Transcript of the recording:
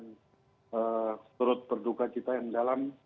dan menurut perduka kita yang dalam